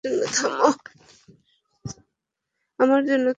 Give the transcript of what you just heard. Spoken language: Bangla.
আমার জন্য থামো।